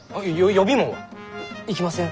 予備門は？行きません。